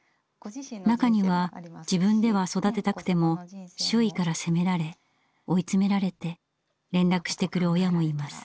中には自分では育てたくても周囲から責められ追い詰められて連絡してくる親もいます。